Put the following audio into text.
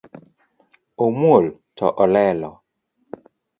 Omuol to olelo